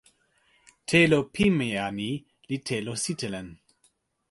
telo pimeja ni li telo sitelen.